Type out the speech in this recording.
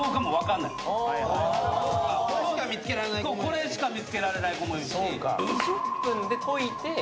これしか見つけられない子もいるし。